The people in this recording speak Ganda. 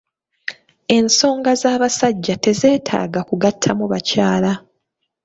Ensonga z'abasajja tezeetaaga kugattamu bakyala.